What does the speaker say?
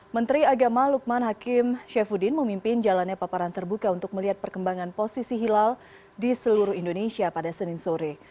menteri agama lukman hakim syafuddin memimpin jalannya paparan terbuka untuk melihat perkembangan posisi hilal di seluruh indonesia pada senin sore